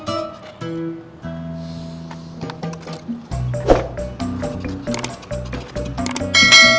tati disuruh nyiram